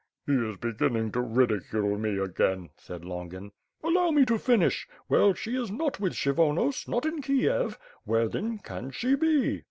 "He is beginning to ridicule me again," said Longin. "Allow me to finish. " W^ell, she is not with Kshyvonos, not in Kiev; where then can she be?"